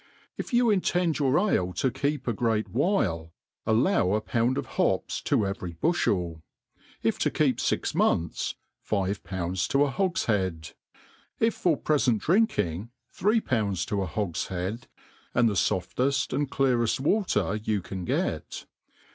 If you' intend your ale to keep a great while, allow a pound of hops to every bufliel ; if to keep fix months, five pounds to a hogftiead } if for prefent drinking, three pounds to a hogfliead^ and the foftcft and cleared water you can get.